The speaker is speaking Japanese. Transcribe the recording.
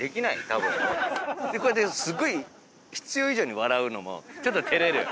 こうやってすごい必要以上に笑うのもちょっと照れる。